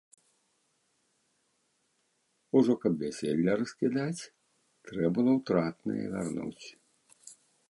Ужо, каб вяселле раскідаць, трэ было ўтратнае вярнуць.